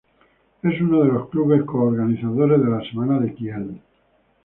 Es uno de los clubes co-organizadores de la Semana de Kiel.